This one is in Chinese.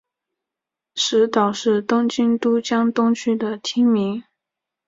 石岛是东京都江东区的町名。